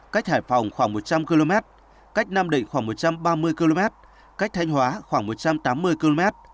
cách hải phòng khoảng một trăm linh km cách nam định khoảng một trăm ba mươi km cách thanh hóa khoảng một trăm tám mươi km